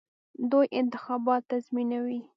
دوی انتخابات تنظیموي.